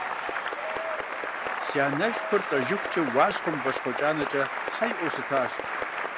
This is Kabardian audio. Си анэшхуэр лӏэжыхукӏэ «Уащхъуэ мывэщхъуэ кӏанэкӏэ» тхьэ иӏуэу щытащ.